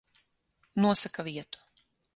Nosaka vietu.